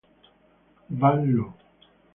Van Loo